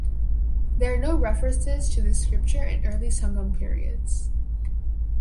There are no references to this scripture in early sangam periods.